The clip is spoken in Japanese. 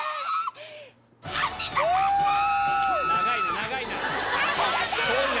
長いな長いな。